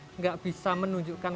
kalau kamu nggak bisa menunjukkan